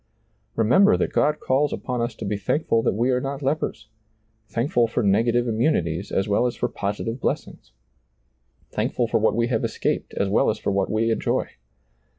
Rememtwr that God calls upon us to be thankful that we are not lepers !— thankful for negative im DiailizccbvGoOgle IS4 SEEING DARKLY munities as well as for positive blessings ; thankful for what we have escaped as well as for what we en joy.